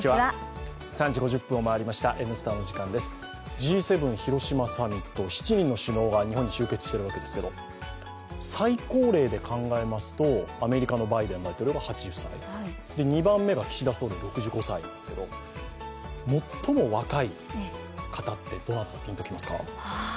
Ｇ７広島サミット、７人の首脳が日本に集結してるわけですけど最高齢で考えますとアメリカのバイデン大統領が８０歳、２番目が岸田総理で６５歳ですけど、最も若い方ってどなたかピンときますか？